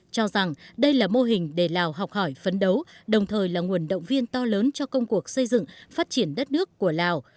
cho rằng đây là mô hình để lào học hỏi phấn đấu đồng thời là nguồn động viên to lớn cho công cuộc xây dựng phát triển đất nước của lào